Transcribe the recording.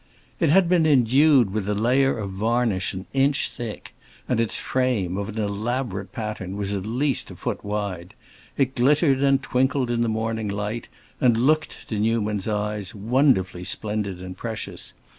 It had been endued with a layer of varnish an inch thick and its frame, of an elaborate pattern, was at least a foot wide. It glittered and twinkled in the morning light, and looked, to Newman's eyes, wonderfully splendid and precious.